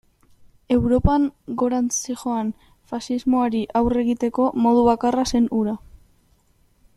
Europan gorantz zihoan faxismoari aurre egiteko modu bakarra zen hura.